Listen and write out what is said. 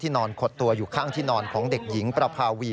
นอนขดตัวอยู่ข้างที่นอนของเด็กหญิงประภาวี